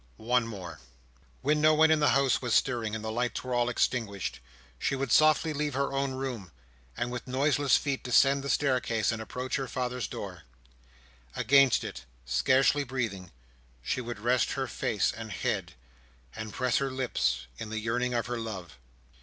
One more. When no one in the house was stirring, and the lights were all extinguished, she would softly leave her own room, and with noiseless feet descend the staircase, and approach her father's door. Against it, scarcely breathing, she would rest her face and head, and press her lips, in the yearning of her love.